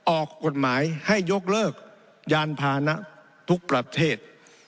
ออกกฎหมายให้ยกเลิกยานพานะทุกประเทศ